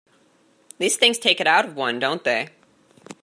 These things take it out of one, don't they?